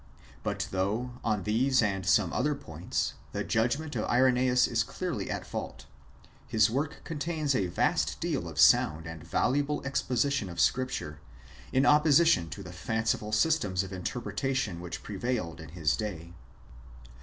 But though, on these and some other points, the judgment of Irenseus is clearly at fault, his work contains a vast deal of sound and valuable exposition of Scripture, in opposition to the fanciful systems of interpretation which prevailed in his day.